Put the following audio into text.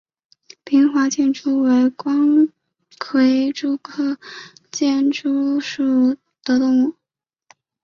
平滑间蛛为光盔蛛科间蛛属的动物。